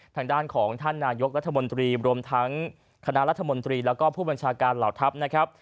ทางด้านของท่านนายกรัฐมนตรีรวมทั้งคณะรัฐมนตรีแล้วก็ผู้บัญชาการเหล่าทัพนะครับ